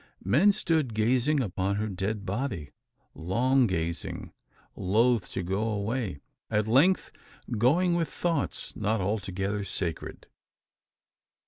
Men stood gazing upon her dead body long gazing loth to go away at length going with thoughts not altogether sacred!